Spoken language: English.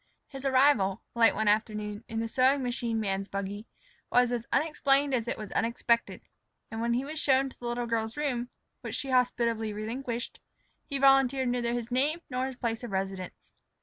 His arrival, late one afternoon, in the sewing machine man's buggy, was as unexplained as it was unexpected; and when he was shown to the little girl's room, which she hospitably relinquished, he volunteered neither his name nor his place of residence.